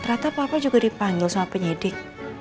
ternyata papa juga dipanggil sama penyidik